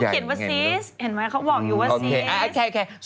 เขียนว่าซีสเห็นไหมเขาบอกอยู่ว่าซีส